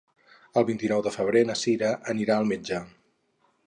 El vint-i-nou de febrer na Sira anirà al metge.